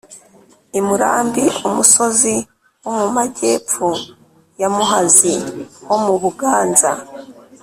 i murambi: umusozi wo mu magepfo ya muhazi ho mu buganza